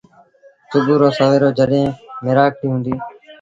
سُڀوٚ رو سويرو جڏهيݩٚ ميرآکڙيٚ هُنٚديٚ